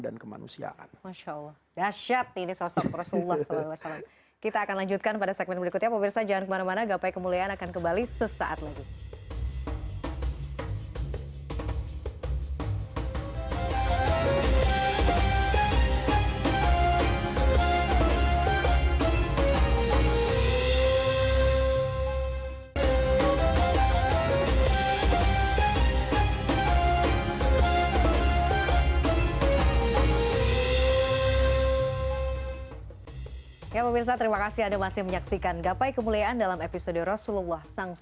dan kemanusiaan masya allah